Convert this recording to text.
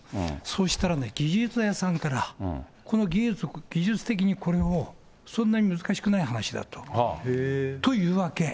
そうしたらね、技術屋さんから、この技術的にこれをそんなに難しくない話だというわけ。